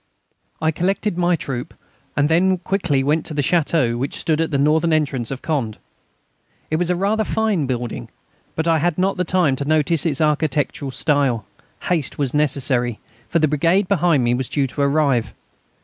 I collected my troop, and then went quickly to the château which stood at the northern entrance of Condé. It was rather a fine building, but I had not time to notice its architectural style. Haste was necessary, for the brigade behind me was due to arrive.